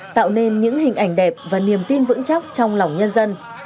tạo nên những hình ảnh đẹp và niềm tin vững chắc trong lòng nhân dân